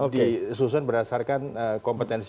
disusun berdasarkan kompetensi